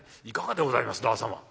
いかがでございます旦様